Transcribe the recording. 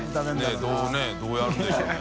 小峠）ねぇどうやるんでしょうね？